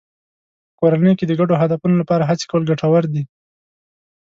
په کورنۍ کې د ګډو هدفونو لپاره هڅې کول ګټور دي.